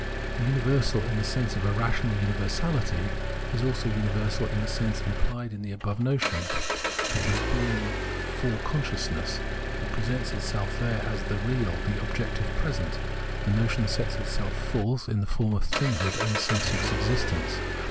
The universal in the sense of a rational universaUty, is also universal in the sense imphed in the above notion :— its being is for consciousness, it presents itself there as the real, the objective present ; the notion sets itself forth in the form of thinghood and sensuous existence.